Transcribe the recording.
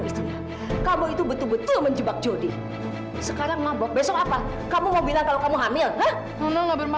sampai jumpa di video selanjutnya